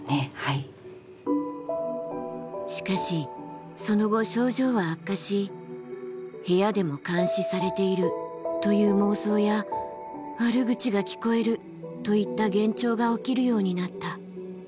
しかしその後症状は悪化し「部屋でも監視されている」という妄想や「悪口が聞こえる」といった幻聴が起きるようになった。